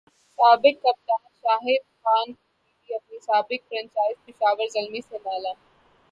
سابق کپتان شاہد خان فریدی اپنی سابق فرنچائز پشاور زلمی سے نالاں